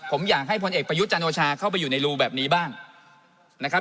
ผมอยากให้พลเอกประยุทธ์จันโอชาเข้าไปอยู่ในรูแบบนี้บ้างนะครับ